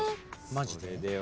マジで！？